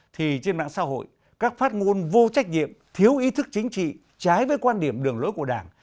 thì trên mạng xã hội các phát ngôn vô trách nhiệm thiếu ý thức chính trị trái với quan điểm đường lối của đảng